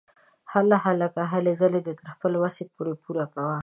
هله هلکه ! هلې ځلې تر خپلې وسې پوره کوه!